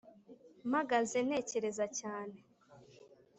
mpagaze ntekereza cyane,,